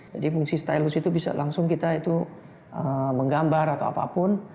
jadi fungsi stylus itu bisa langsung kita itu menggambar atau apapun